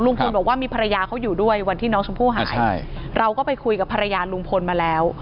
บอกว่ามีภรรยาเขาอยู่ด้วยวันที่น้องชมพู่หายใช่เราก็ไปคุยกับภรรยาลุงพลมาแล้ว